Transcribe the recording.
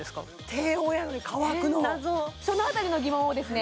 低温やのに乾くのえっ謎そのあたりの疑問をですね